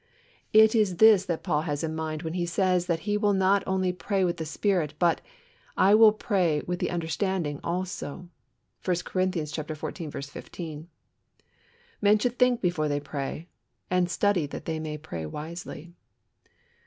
It is this that Paul has in mind when he says that he will not only pray with the Spirit, but "I will pray with the understanding also" (I Cor. xiv. 15). Men should think before they pray, and study that they may pray wisely.